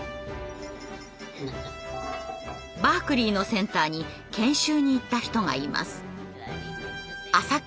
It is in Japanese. バークリーのセンターに研修に行った人がいます。